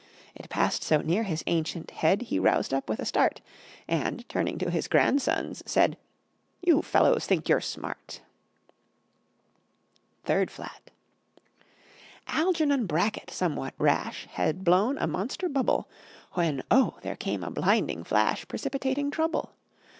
It passed so near his ancient head He roused up with a start, And, turning to his grandsons, said, "You fellows think you're smart!" [Illustration: SECOND FLAT] THIRD FLAT Algernon Bracket, somewhat rash, Had blown a monster bubble, When, oh! there came a blinding flash, Precipitating trouble!